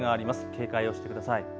警戒をしてください。